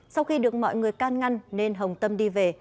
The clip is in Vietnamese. sau khi được mọi người can ngăn nên hồng tâm đi về